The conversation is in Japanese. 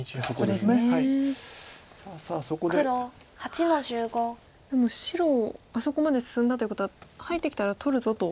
でも白あそこまで進んだということは入ってきたら取るぞと？